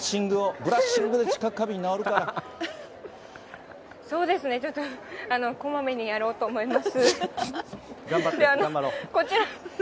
ブラッシング、そうですね、ちょっとこまめにやろうと思います。